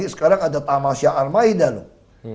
minta semua orang datang untuk nongkrongin semua tps